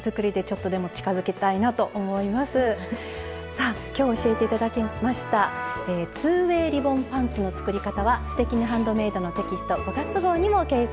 さあ今日教えて頂きました「２ｗａｙリボンパンツ」の作り方は「すてきにハンドメイド」のテキスト５月号にも掲載されています。